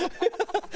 ハハハハ！